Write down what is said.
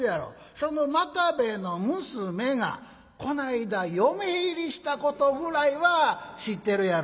その又兵衛の娘がこないだ嫁入りしたことぐらいは知ってるやろ？」。